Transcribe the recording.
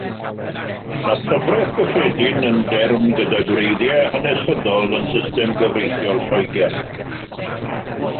Mae cyfraith gyffredin yn derm gyda gwreiddiau hanesyddol yn system gyfreithiol Lloegr.